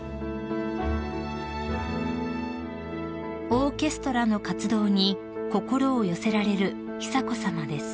［オーケストラの活動に心を寄せられる久子さまです］